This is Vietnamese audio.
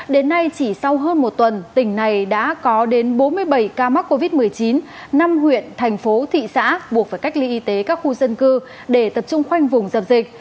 đến nay chỉ sau hơn một tuần tỉnh này đã có đến bốn mươi bảy ca mắc covid một mươi chín năm huyện thành phố thị xã buộc phải cách ly y tế các khu dân cư để tập trung khoanh vùng dập dịch